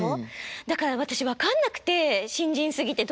だから私分かんなくて新人すぎてどうやっていいのか。